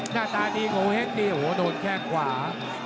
หน้าตาดีโงเห้งนี่โอ้โหโดนแข้งขวา